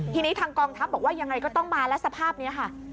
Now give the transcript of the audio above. ทีนี้ทางกองทัพบอกว่ายังไงก็ต้องมาแล้วสภาพนี้ค่ะ